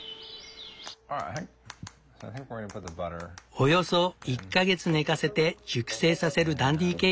およそ１か月寝かせて熟成させるダンディーケーキ。